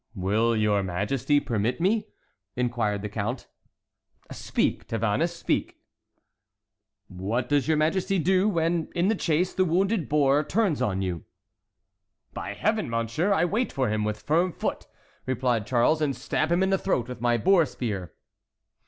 "Will your Majesty permit me?" inquired the count. "Speak, Tavannes!—speak." "What does your Majesty do when, in the chase, the wounded boar turns on you?" "By Heaven! monsieur, I wait for him, with firm foot," replied Charles, "and stab him in the throat with my boar spear."